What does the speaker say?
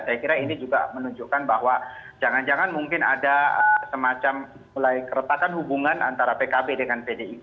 saya kira ini juga menunjukkan bahwa jangan jangan mungkin ada semacam mulai keretakan hubungan antara pkb dengan pdip